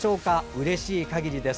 うれしい限りです。